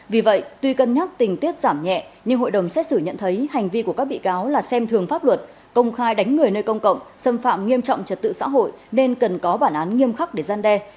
vì vậy tuy cân nhắc tình tiết giảm nhẹ nhưng hội đồng xét xử nhận thấy hành vi của các bị cáo là xem thường pháp luật công khai đánh người nơi công cộng xâm phạm nghiêm trọng trật tự xã hội nên cần có bản án nghiêm khắc để gian đe